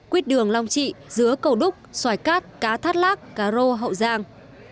quyết đường long trị dứa cầu đúc xoài cát cá thác lác cá rô hậu giang